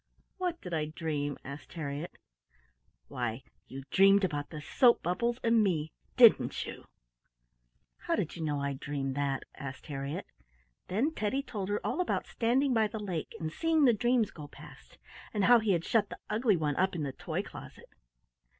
"What did I dream?" asked Harriett. "Why, you dreamed about the soap bubbles and me; didn't you?" "How did you know I dreamed that?" asked Harriett. Then Teddy told her all about standing by the lake and seeing the dreams go past, and how he had shut the ugly one up in the toy closet.